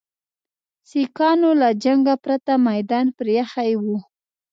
سیکهانو له جنګه پرته میدان پرې ایښی وو.